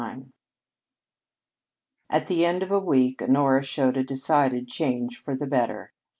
XXIX At the end of a week Honora showed a decided change for the better.